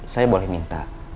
saya boleh minta